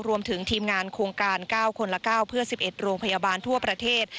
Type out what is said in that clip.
รวมถึงทีมงานโครงการ๙คนละ๙เพื่อ๑๑โรงพยาบาลทั่วประเทศ